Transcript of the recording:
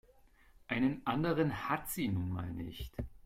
Einen anderen hat sie nun mal nicht.